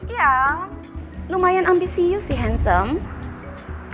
iya lumayan ambisius sih handsome